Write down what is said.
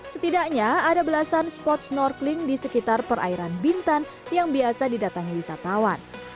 setidaknya ada belasan spot snorkeling di sekitar perairan bintan yang biasa didatangi wisatawan